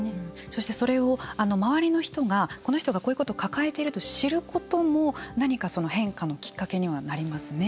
そして、それを周りの人がこの人がこういうことを抱えていると知ることも、何か変化のきっかけにはなりますね。